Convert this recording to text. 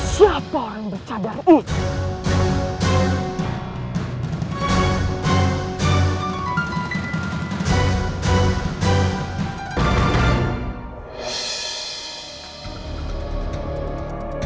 jangan lupa untuk berhenti